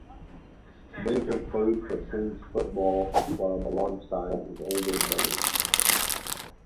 Maker played for Quinns Football club alongside his older brothers.